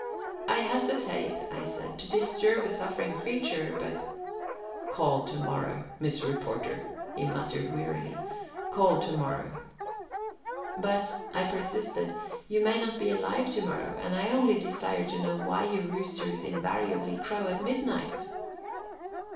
"I hesitate," I said, "to disturb a suffering creature, but " "Call to morrow, Miss Reporter," he muttered wearily, "call to morrow." "But," I persisted, "you may not be alive to morrow, and I only desire to know why you roosters invariably crow at midnight?"